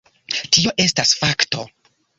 Tio estas fakto.